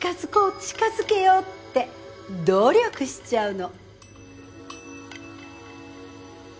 近づけようって努力しちゃうの。